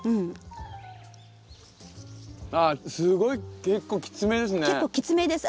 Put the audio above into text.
あすごい結構きつめですね。